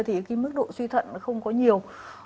thì cái mức độ suy thận không có nhiều